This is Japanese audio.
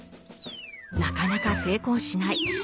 なかなか成功しない。